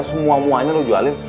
semua muanya lu jualin